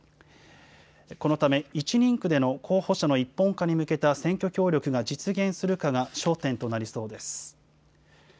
このため、１人区での候補者の一本化に向けた選挙協力が実現するかが焦点となりそうです。